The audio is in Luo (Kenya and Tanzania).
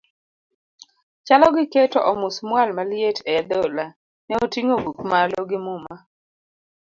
Chalo gi keto omusmual maliet e adhola, ne oting'o buk malo gi muma.